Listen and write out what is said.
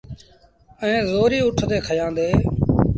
ائيٚݩ زوريٚ اُٺ تي کيآݩدي۔